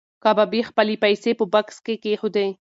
کبابي خپلې پیسې په بکس کې کېښودې.